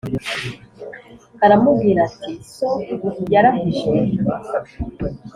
aramubwira ati so yarahije